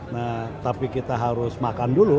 nah tapi kita harus makan dulu